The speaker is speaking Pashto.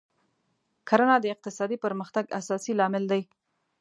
کرنه د اقتصادي پرمختګ اساسي لامل دی.